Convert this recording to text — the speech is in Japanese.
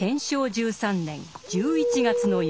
１３年１１月の夜。